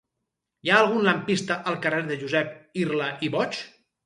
Hi ha algun lampista al carrer de Josep Irla i Bosch?